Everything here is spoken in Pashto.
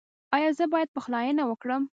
ایا زه باید پخلاینه وکړم؟